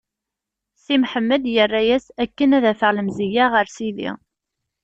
Si Mḥemmed irra-as: Akken ad afeɣ lemzeyya ɣer Sidi.